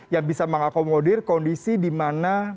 yang bisa mengakomodir kondisi di mana